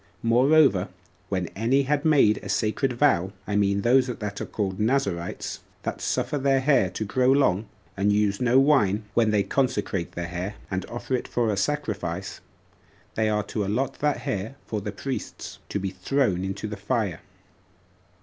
Moreover, when any have made a sacred vow, I mean those that are called Nazarites, that suffer their hair to grow long, and use no wine, when they consecrate their hair, 4 and offer it for a sacrifice, they are to allot that hair for the priests [to be thrown into the fire].